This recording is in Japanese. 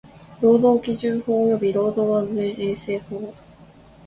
労働基準法及び労働安全衛生法